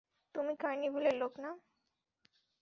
তুমি কার্নিভ্যালের লোক, না?